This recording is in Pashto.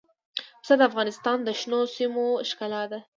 پسه د افغانستان د شنو سیمو ښکلا ده.